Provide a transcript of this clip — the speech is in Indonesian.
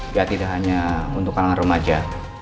ya tidak hanya untuk kalangan remaja